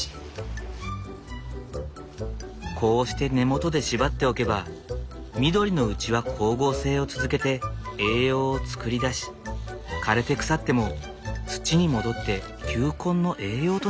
こうして根元で縛っておけば緑のうちは光合成を続けて栄養を作り出し枯れて腐っても土に戻って球根の栄養となるそう。